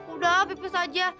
udah pepis aja